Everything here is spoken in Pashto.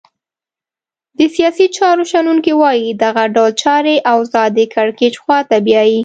د سیاسي چارو شنونکي وایې دغه ډول چاري اوضاع د کرکېچ خواته بیایې.